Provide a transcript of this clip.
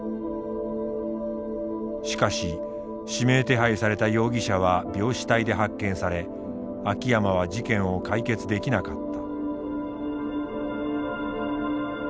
しかし指名手配された容疑者は病死体で発見され秋山は事件を解決できなかった。